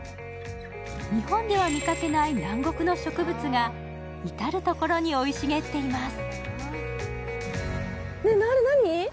日本では見かけない南国の植物が、至る所に生い茂っています。